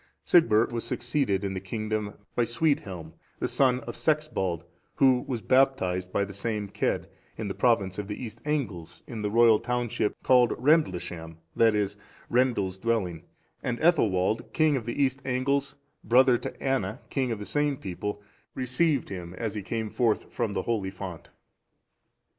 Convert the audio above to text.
Sigbert was succeeded in the kingdom by Suidhelm,(422) the son of Sexbald, who was baptized by the same Cedd, in the province of the East Angles, in the royal township, called Rendlaesham,(423) that is, Rendil's Dwelling; and Ethelwald,(424) king of the East Angles, brother to Anna, king of the same people, received him as he came forth from the holy font.